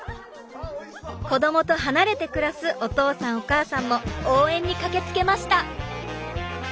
子どもと離れて暮らすお父さんお母さんも応援に駆けつけました。